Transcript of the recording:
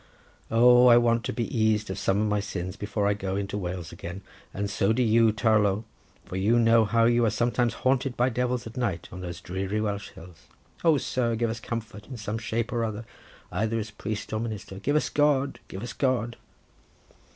Oh, I want to be eased of some of my sins before I go into Wales again, and so do you Tourlough, for you know how you are sometimes haunted by Devils at night in those dreary Welsh hills. O sir, give us comfort in some shape or other, either as priest or minister; give us God! give us God!"